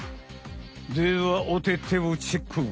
ではおててをチェック！